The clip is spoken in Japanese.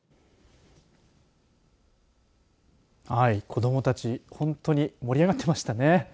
子どもたち、本当に盛り上がっていましたね。